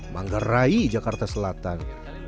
manggarai jakarta selatan